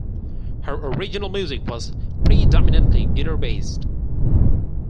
Her original music was predominantly guitar based.